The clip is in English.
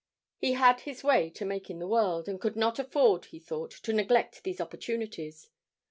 He had his way to make in the world, and could not afford, he thought, to neglect these opportunities.